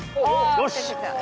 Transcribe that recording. よし！